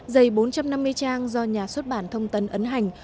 dày bốn trăm năm mươi trang do nhà xuất bản thông tấn ấn hành